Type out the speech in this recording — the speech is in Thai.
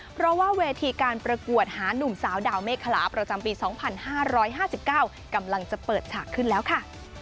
เพราะว่าเวทีการประกวดหานุ่มสาวดาวเมฆคลาประจำปี๒๕๕๙กำลังจะเปิดฉากขึ้นแล้วค่ะ